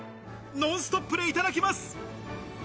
ノンストップでいただきます。